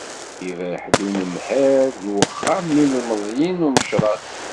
Iberreḥ-d unemhal n uxxam n yilemẓiyen n Umecras.